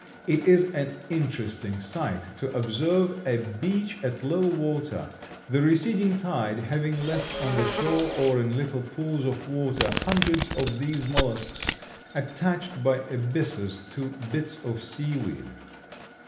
It is an interesting sight to observe a beach at low water, the receding tide having left on the shore or in little pools of water hundreds of these mollusks, attached by a byssus to bits of sea weed.